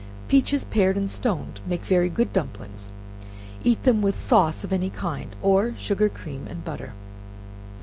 Peaches pared and stoned make very good dumplings, eat them with sauce of any kind, or sugar, cream and butter.